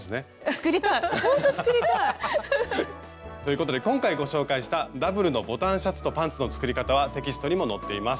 作りたいほんと作りたい！ということで今回ご紹介したダブルのボタンシャツとパンツの作り方はテキストにも載っています。